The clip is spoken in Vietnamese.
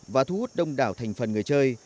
và thu hút đông đảo thành phần người chơi